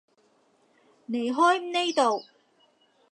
離開呢度